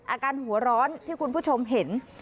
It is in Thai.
อาการหัวร้อนที่คุณผู้ชมเห็น